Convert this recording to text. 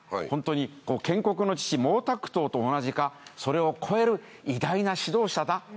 ホントに建国の父毛沢東と同じかそれを超える偉大な指導者だ。